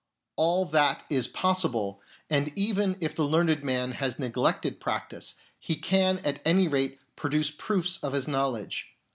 All that is possible ; and even if the learned man has neglected practice, he can at any rate produce proofs of his knowledge.